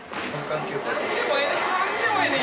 なんでもええねん。